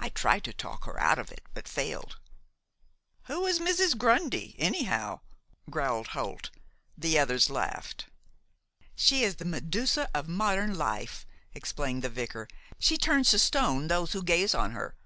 I tried to talk her out of it, but failed." "Who is Mrs. Grundy, anyhow?" growled Holt. The others laughed. "She is the Medusa of modern life," explained the vicar. "She turns to stone those who gaze on her.